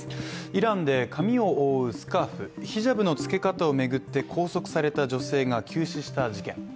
イランで髪を覆うスカーフ、ヒジャブの付け方を巡って拘束された女性が、急死した事件。